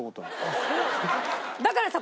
だからさ